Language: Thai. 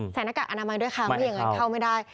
หน้ากากอนามัยด้วยค่ะไม่อย่างนั้นเข้าไม่ได้